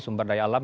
sumber daya alam